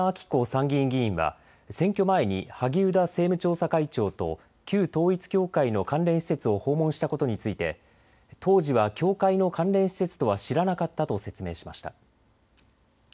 参議院議員は選挙前に萩生田政務調査会長と旧統一教会の関連施設を訪問したことについて、当時は教会の関連施設とは知らなかったと説明しました。